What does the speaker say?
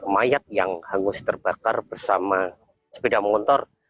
mayat yang hangus terbakar bersama sepeda motor